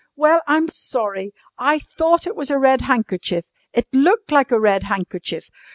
"Well, I'm sorry. I thought it was a red handkerchief. It looked like a red handkerchief.